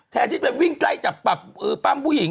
ที่ไปวิ่งใกล้จับปั้มผู้หญิง